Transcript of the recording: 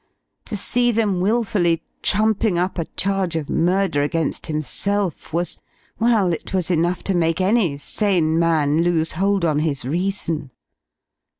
To see them wilfully trumping up a charge of murder against himself was well, it was enough to make any sane man lose hold on his reason.